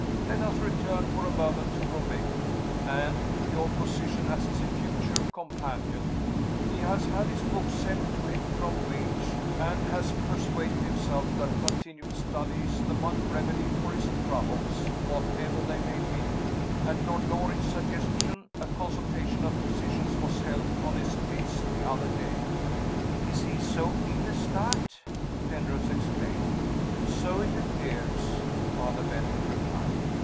Let us return for a moment to Romayne, and to your position as his future companion. He has had his books sent to him from Vange, and has persuaded himself that continued study is the one remedy for his troubles, whatever they may be. At Lord Loring's suggestion, a consultation of physicians was held on his case the other day." "Is he so ill as that?" Penrose exclaimed. "So it appears," Father Benwell replied.